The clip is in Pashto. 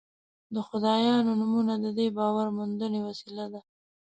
د خدایانو نومونه د دې باور موندنې وسیله ده.